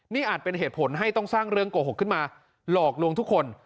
นี่อาจเป็นเหตุผลให้ต้องสร้างเรื่องโกหกขึ้นมาหลอกลวงทุกคน